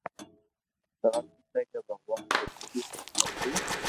سوال پوسي ڪي ڀگوان ري ايتي ھيم دوندي